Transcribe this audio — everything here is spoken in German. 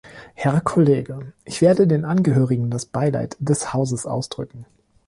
Herr Kollege, ich werde den Angehörigen das Beileid des Hauses ausdrücken.